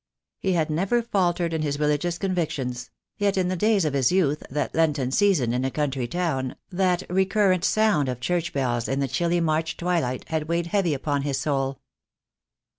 He had never faltered in his religious convictions; yet in the days of his youth that Lenten season in a country town, that recur rent sound of church bells in the chilly March twilight, had weighed heavy upon his soul.